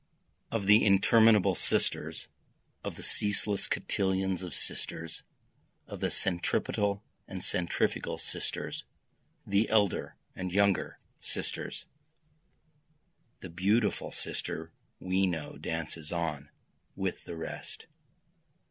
Of the interminable sisters, Of the ceaseless cotillons of sisters, Of the centripetal and centrifugal sisters, the elder and younger sisters, The beautiful sister we know dances on with the rest.